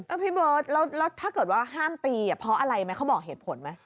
พี่เบิร์ตแล้วถ้าเกิดว่าห้ามตีเพราะอะไรไหมเขาบอกเหตุผลไหม